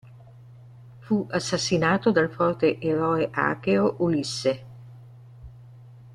Fu assassinato dal forte eroe acheo Ulisse.